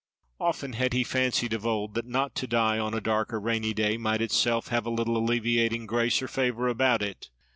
Often had he fancied of old that not to die on a dark or rainy day might itself have a little alleviating grace or favour about it.